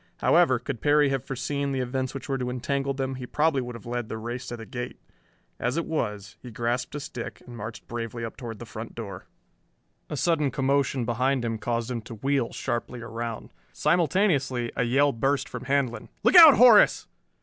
However, could Perry have foreseen the events which were to entangle them, he probably would have led the race to the gate. As it was, he grasped a stick and marched bravely up toward the front door. A sudden commotion behind him caused him to wheel sharply around. Simultaneously a yell burst from Handlon. "Look out, Horace!"